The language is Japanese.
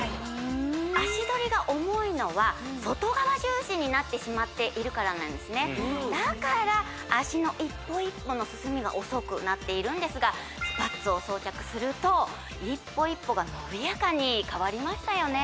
足取りが重いのは外側重心になってしまっているからなんですねだから足の一歩一歩の進みが遅くなっているんですがスパッツを装着すると一歩一歩が伸びやかに変わりましたよね